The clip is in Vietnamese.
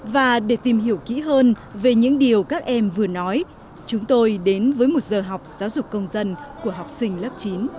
và để tìm hiểu kỹ hơn về những điều các em vừa nói chúng tôi đến với một giờ học giáo dục công dân của học sinh lớp chín